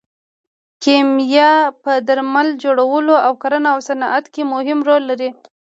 کیمیا په درمل جوړولو او کرنه او صنعت کې مهم رول لري.